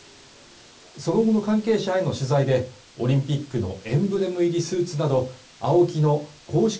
その後の関係者への取材でオリンピックのエンブレム入りスーツなどＡＯＫＩの公式